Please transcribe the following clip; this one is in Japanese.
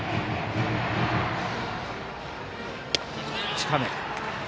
近め。